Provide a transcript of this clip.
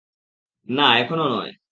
না, এখনো নয়।